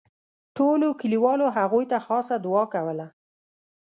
ټولو کلیوالو هغوی ته خاصه دوعا کوله.